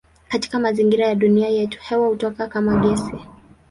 Katika mazingira ya dunia yetu hewa hutokea kama gesi.